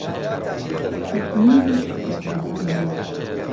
بتوێنت به قوربان بێ